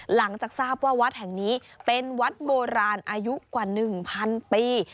หลังจากทราบว่าวัดแห่งนี้เป็นวัดโบราณอายุกว่า๑๐๐ปี